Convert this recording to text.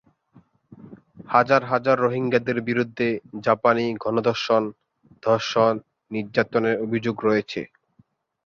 হাজার হাজার রোহিঙ্গাদের বিরুদ্ধে জাপানী গণধর্ষণ, ধর্ষণ, নির্যাতনের অভিযোগ রয়েছে।